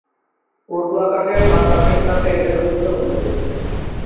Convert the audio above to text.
ঊর্ধ আকাশে বাতাসের সাথে এদের মিশ্রন ঘটে।